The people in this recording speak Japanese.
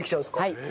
はい。